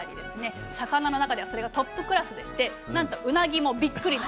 魚の中ではそれがトップクラスでしてなんとうなぎもびっくりと。